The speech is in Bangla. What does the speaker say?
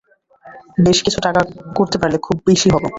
বেশ কিছু টাকা করতে পারলে খুব খুশী হব।